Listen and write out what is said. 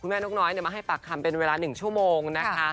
แม่นกน้อยมาให้ปากคำเป็นเวลา๑ชั่วโมงนะคะ